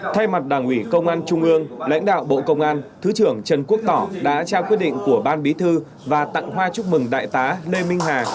thay mặt đảng ủy công an trung ương lãnh đạo bộ công an thứ trưởng trần quốc tỏ đã trao quyết định của ban bí thư và tặng hoa chúc mừng đại tá lê minh hà